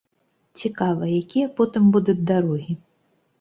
Цікава, якія потым будуць дарогі.